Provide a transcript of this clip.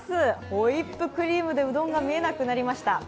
ホイップクリームでうどんが見えなくなりました。